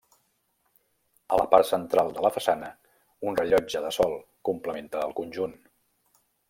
A la part central de la façana, un rellotge de sol complementa el conjunt.